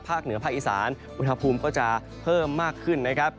เหนือภาคอีสานอุณหภูมิก็จะเพิ่มมากขึ้นนะครับ